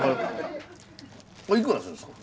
これいくらするんですか？